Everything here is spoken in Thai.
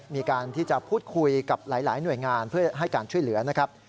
มีการที่จะพูดคุยกับหลายหน่วยงานเพื่อให้การช่วยเหลือนะครับ